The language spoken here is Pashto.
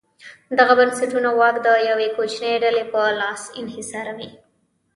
دغه بنسټونه واک د یوې کوچنۍ ډلې په لاس انحصاروي.